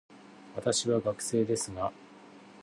私は学生ですが、